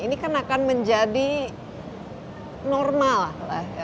ini kan akan menjadi normal lah